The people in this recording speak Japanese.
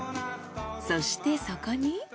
そしてそこに？